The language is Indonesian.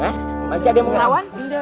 hah masih ada yang mau ngawal